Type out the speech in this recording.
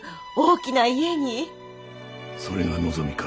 それが望みか？